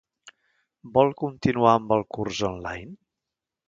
Vol continuar amb el curs online?